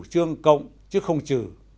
chủ trương cộng chứ không trừ